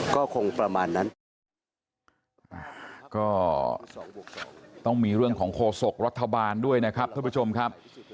ก็ต้องมีเรื่องของโคศกรัฐบาลด้วยนะครับทุกผู้ชมครับ